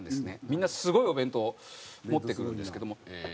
みんなすごいお弁当を持ってくるんですけども。